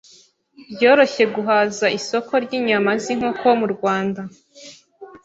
byoroshye guhaza isoko ry’inyama z’inkoko mu Rwanda.